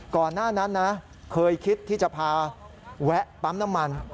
ก่อนหน้านั้นนะเคยคิดที่จะพาแวะปั๊มน้ำมัน